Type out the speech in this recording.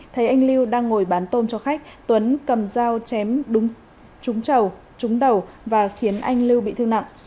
thấy anh lưu đang ngồi bán tôm cho khách tuấn cầm dao chém trúng trầu trúng đầu và khiến anh lưu bị thương nặng